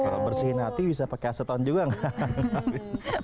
kalau bersihin hati bisa pakai aseton juga nggak